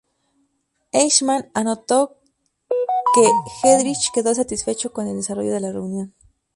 Eichmann anotó que Heydrich quedó satisfecho con el desarrollo de la reunión.